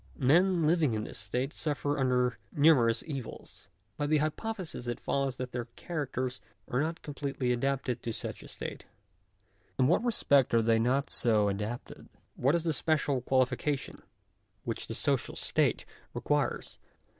Men living in this state suffer : under numerous evils. By the hypothesis it follows that their \ characters are not completely adapted to such a state. j In what respect are they not so adapted ? what is the special : qualification which the social state requires